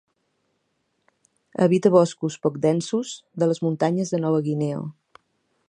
Habita boscos poc densos de les muntanyes de Nova Guinea.